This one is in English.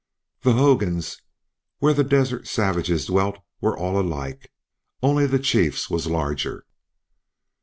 The hogans where these desert savages dwelt were all alike; only the chief's was larger.